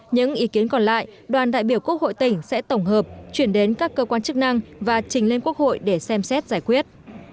những ý kiến còn lại đoàn đại biểu quốc hội tỉnh sẽ tổng hợp chuyển đến các cơ quan chức năng và trình lên quốc hội để xem xét giải quyết